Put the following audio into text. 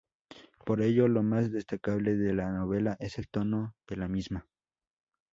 Por ello, lo más destacable de la novela es el tono de la misma.